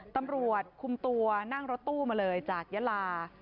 ตำรวจคุมตัวนั่งรถตู้มาเลยจากยาลา